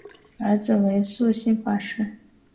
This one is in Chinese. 儿子为素性法师。